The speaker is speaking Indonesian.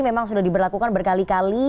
memang sudah diberlakukan berkali kali